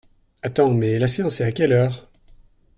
Attends mais la séance est à quelle heure?